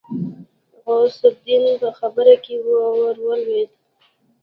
غوث الدين په خبره کې ورولوېد.